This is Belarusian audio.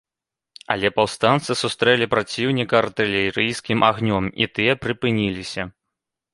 Але паўстанцы сустрэлі праціўніка артылерыйскім агнём, і тыя прыпыніліся.